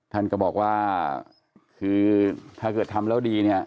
ท่านก็บอกว่าคือถ้าเกิดทำแล้วดีเนี่ย